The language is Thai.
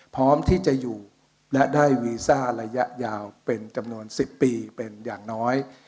พร้อมที่จะอยู่และได้วีซ่าระยะยาวเป็นจำนวน๑๐ปีเป็นอย่างน้อย